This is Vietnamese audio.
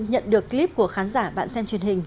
nhận được clip của khán giả bạn xem truyền hình